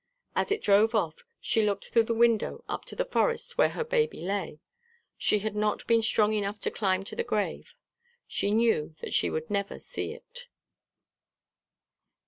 As it drove off, she looked through the window up to the forest where her baby lay. She had not been strong enough to climb to the grave. She knew that she should never see it.